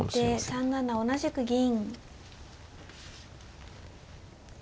先手３七同じく銀。